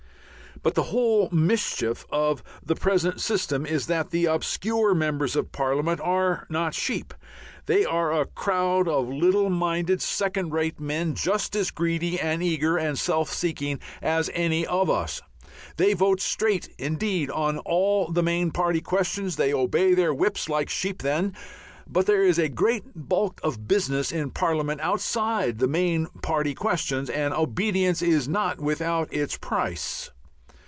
But the whole mischief of the present system is that the obscure members of Parliament are not sheep; they are a crowd of little minded, second rate men just as greedy and eager and self seeking as any of us. They vote straight indeed on all the main party questions, they obey their Whips like sheep then; but there is a great bulk of business in Parliament outside the main party questions, and obedience is not without its price.